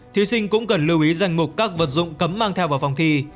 thí sinh cũng cần lưu ý danh mục các vật dụng cấm mang theo vào phòng thi